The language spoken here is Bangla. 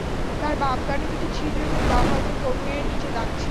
তার বাম কানে দুটি ছিদ্র এবং বাম হাতের কনুইয়ের নিচে দাগ ছিল।